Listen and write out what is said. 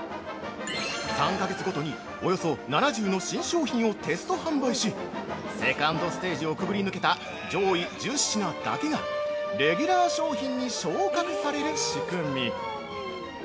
３か月ごとに、およそ７０の新商品をテスト販売しセカンドステージをくぐり抜けた上位１０品だけがレギュラー商品に昇格される仕組み。